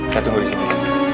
saya tunggu di sini